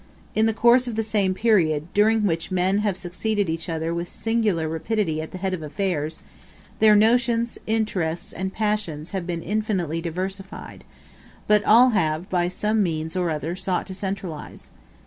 In the course of the same period, during which men have succeeded each other with singular rapidity at the head of affairs, their notions, interests, and passions have been infinitely diversified; but all have by some means or other sought to centralize.